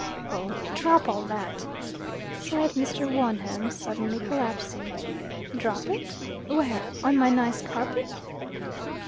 "Oh, drop all that," said Mr. Wonham, suddenly collapsing. "Drop it? Where? On my nice carpet?"